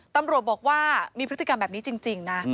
ตำรวจบอกว่ามีพฤติกรรมแบบนี้จริงนะ